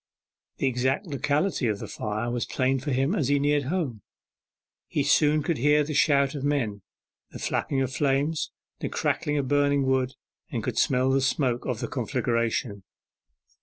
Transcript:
The exact locality of the fire was plain to him as he neared home. He soon could hear the shout of men, the flapping of the flames, the crackling of burning wood, and could smell the smoke from the conflagration.